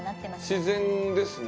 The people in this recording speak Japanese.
自然ですね。